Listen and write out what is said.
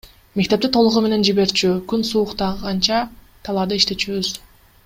Мектепти толугу менен жиберчү, күн сууктаганча талаада иштечүбүз.